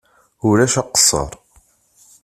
Ulac aqeṣṣeṛ.